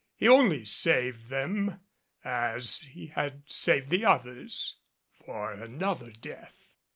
He only saved them as he had saved the others for another death.